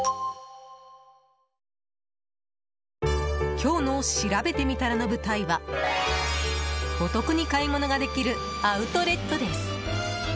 今日のしらべてみたらの舞台はお得に買い物ができるアウトレットです！